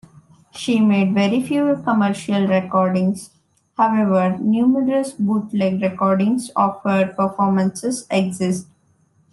She made very few commercial recordings; however, numerous bootleg recordings of her performances exist.